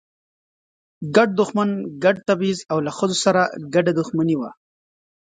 ګډ دښمن، ګډ تبعیض او له ښځو سره ګډه دښمني وه.